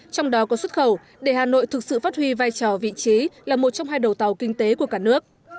trong đó có xuất khẩu để hà nội thực sự phát huy vai trò vị trí là một trong hai đầu tàu kinh tế của cả nước